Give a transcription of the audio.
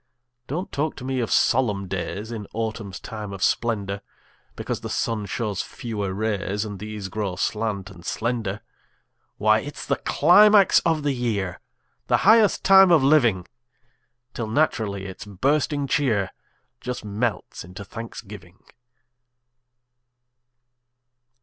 Don't talk to me of solemn days In autumn's time of splendor, Because the sun shows fewer rays, And these grow slant and slender. Why, it's the climax of the year, The highest time of living! Till naturally its bursting cheer Just melts into thanksgiving.